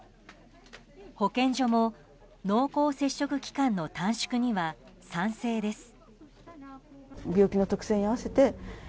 保健所も濃厚接触期間の短縮には賛成です。